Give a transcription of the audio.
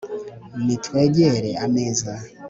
nitwegere ameza